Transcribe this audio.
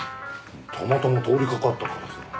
たまたま通り掛かったからさ。